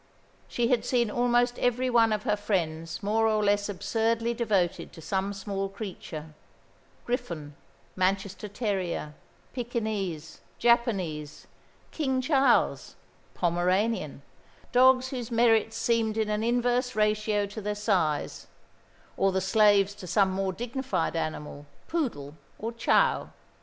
She had seen almost every one of her friends more or less absurdly devoted to some small creature Griffon, Manchester terrier, Pekinese, Japanese, King Charles, Pomeranian dogs whose merits seemed in an inverse ratio to their size or the slaves to some more dignified animal, poodle or chow.